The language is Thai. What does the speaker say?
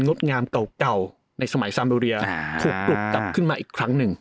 อันงดงามเก่าในสมัย๓โลเทียถูกปรุกตับขึ้นมาอีกครั้งหนึ่ง